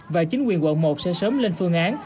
và chính quyền quận một sẽ sớm lên phương án